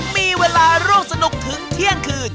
มีเวลาร่วมสนุกถึงเที่ยงคืน